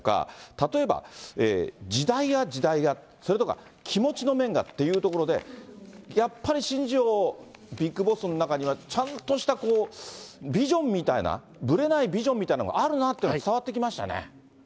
例えば時代だ、時代だ、それとか気持ちの面がっていうところで、やっぱり新庄ビッグボスの中には、ちゃんとしたビジョンみたいな、ぶれないビジョンみたいなものがあるなっていうの伝わってきまし